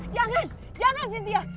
jangan jangan cynthia